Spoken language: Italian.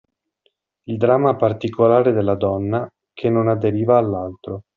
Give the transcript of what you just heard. Il dramma particolare della donna, che non aderiva all’altro